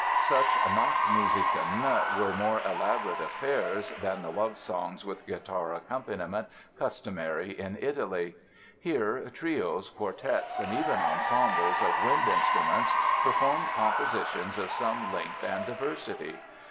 Such "Nachtmusiken" were more elaborate affairs than the love songs with guitar accompaniment customary in Italy. Here trios, quartets and even ensembles of wind instruments performed compositions of some length and diversity.